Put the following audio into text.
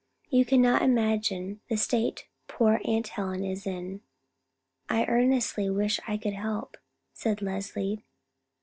You cannot imagine the state poor Aunt Helen is in." "I earnestly wish I could help," said Leslie.